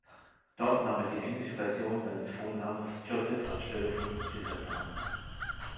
Dort nahm er die englische Version seines Vornamens "Joseph" anstelle von Giuseppe an.